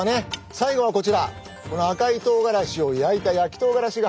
最後はこちらこの赤いとうがらしを焼いた焼きとうがらしが。